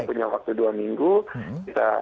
yang terakhir pak sandi dari saya